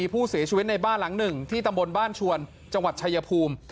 ผู้เสียชีวิตในบ้านหลังหนึ่งที่ตำบลบ้านชวนจังหวัดชายภูมิ